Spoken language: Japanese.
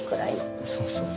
そうそう。